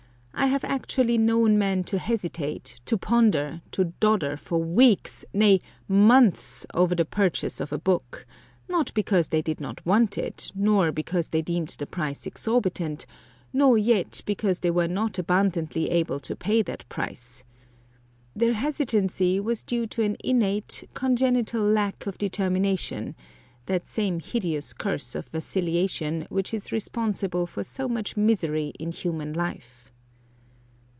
I have actually known men to hesitate, to ponder, to dodder for weeks, nay, months over the purchase of a book; not because they did not want it, nor because they deemed the price exorbitant, nor yet because they were not abundantly able to pay that price. Their hesitancy was due to an innate, congenital lack of determination that same hideous curse of vacillation which is responsible for so much misery in human life.